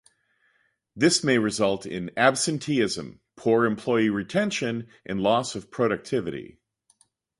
This may result in absenteeism, poor employee retention and loss of productivity.